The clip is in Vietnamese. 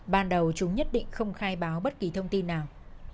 ban đầu chúng nhất định không khai báo bất kỳ thông tin nào